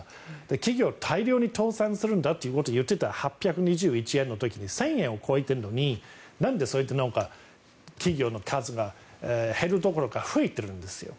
企業は大量に倒産するんだということを言っていた８２１円の時に１０００円を超えているのに企業の数が減るどころか増えてるんですよ。